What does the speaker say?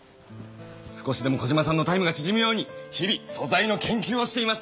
少しでもコジマさんのタイムがちぢむように日々素材の研究をしています！